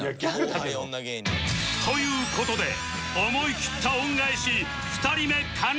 という事で思い切った恩返し２人目完了